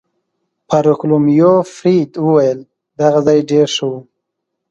فاروقلومیو فرید وویل: دغه ځای ډېر ښه و.